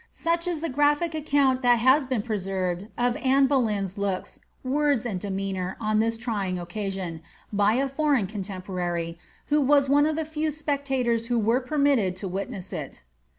Such is the graphic account that has been preserved of Anne Boleyn^s looks, words, and demeanour on this tr}'ing occasion, by a foreign coo temporary,^ who was one of the few specuitors who were permitted to witness it.